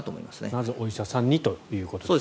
まずお医者さんにということですね。